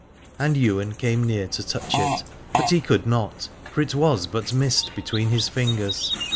And Ywain came near to touch it, but he could not, for it was but mist between his fingers.